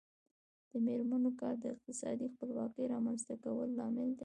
د میرمنو کار د اقتصادي خپلواکۍ رامنځته کولو لامل دی.